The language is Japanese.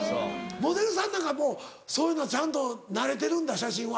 モデルさんなんかそういうのはちゃんと慣れてるんだ写真は。